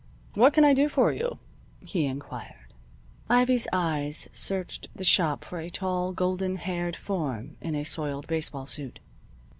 "What can I do for you?" he inquired. Ivy's eyes searched the shop for a tall, golden haired form in a soiled baseball suit.